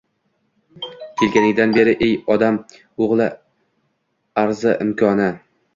Kelganingdan beri ey Odam oʻgʻli arzi imkona